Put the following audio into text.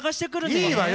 いいわよ！